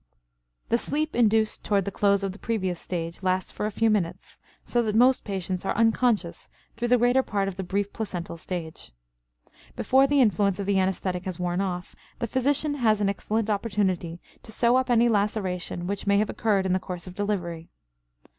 The sleep induced toward the close of the previous stage lasts for a few minutes, so that most patients are unconscious through the greater part of the brief placental stage. Before the influence of the anesthetic has worn off, the physician has an excellent opportunity to sew up any laceration which may have occurred in the course of delivery.